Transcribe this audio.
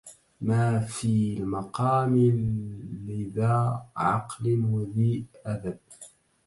ما في المقام لذي عقل وذي أدب